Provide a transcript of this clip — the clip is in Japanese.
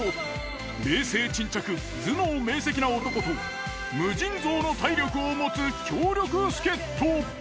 冷静沈着頭脳明せきな男と無尽蔵の体力を持つ強力助っ人。